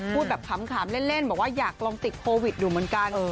พูดแบบขำเล่นบอกว่าอยากลองติดโควิดอยู่เหมือนกัน